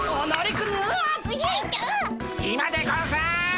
今でゴンス。